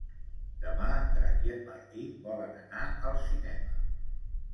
Demà en Drac i en Martí volen anar al cinema.